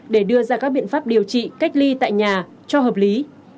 để đưa ra các biện pháp điều trị cách ly tại nhà cho hợp lý